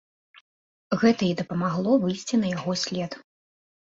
Гэта і дапамагло выйсці на яго след.